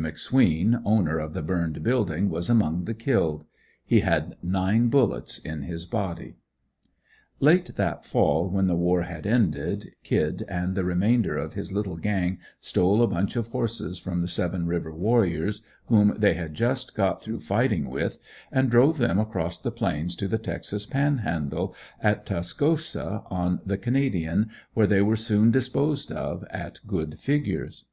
McSween, owner of the burned building was among the killed. He had nine bullets in his body. Late that fall when the war had ended, "Kid" and the remainder of his little gang stole a bunch of horses from the Seven River warriors, whom they had just got through fighting with and drove them across the Plains to the Texas Panhandle, at Tascosa on the Canadian, where they were soon disposed of at good figures.